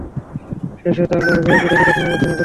শেষ রাতে আল্লাহর ভয়ে কেঁদে কেঁদে ক্ষমা প্রার্থনা করতেন।